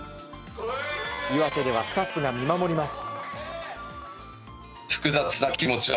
岩手ではスタッフが見守ります。